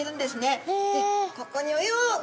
ここにおっ！